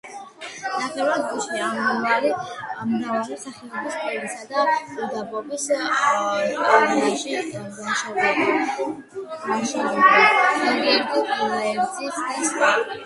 ნახევრად ბუჩქია მრავალი სახეობის ველისა და უდაბნოს ავშანი, მლაშობურა, ზოგიერთი გლერძი და სხვა.